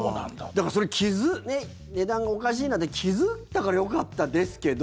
だから、それ値段がおかしいなって気付いたからよかったですけど。